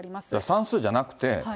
算数じゃなくて。